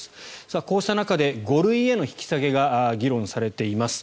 こうした中で５類への引き下げが議論されています。